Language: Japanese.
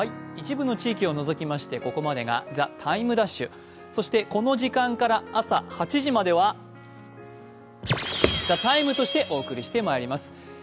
一部の地域を除きましてここまでが「ＴＨＥＴＩＭＥ’」、そしてこの時間から朝８時までは「ＴＨＥＴＩＭＥ，」としてお送りしてまいります。